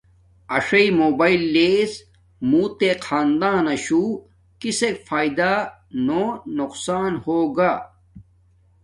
اݽݽ بوباݵل لس موں تے خنی داناشوہ کسک فایدا نو نقصان ہوگا۔